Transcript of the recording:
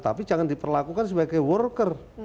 tapi jangan diperlakukan sebagai worker